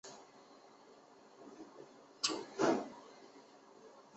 多带黄皮坚螺是中国的特有物种。